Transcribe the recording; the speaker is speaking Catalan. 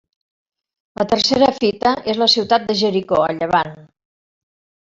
La tercera fita és la ciutat de Jericó, al Llevant.